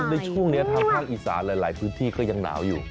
ในช่วงนี้ทางภาคอีสานหลายพื้นที่ก็ยังหนาวอยู่